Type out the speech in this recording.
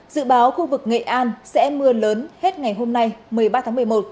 dự báo khu vực nghệ an sẽ mưa lớn hết ngày hôm nay một mươi ba tháng một mươi một